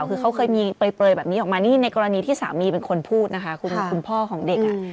คือเขาเคยมีเปลยแบบนี้ออกมานี่ในกรณีที่สามีเป็นคนพูดนะคะคุณพ่อของเด็กอ่ะ